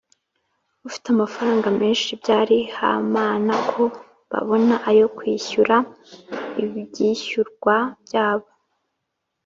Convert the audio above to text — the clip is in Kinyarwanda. Ufite amafaramga menshi byari hamana ko babona ayo kwishyura ibyishyurwa byabo